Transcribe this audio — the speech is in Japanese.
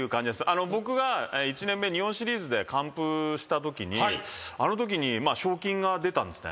僕が１年目日本シリーズで完封したときにあのときに賞金が出たんですね。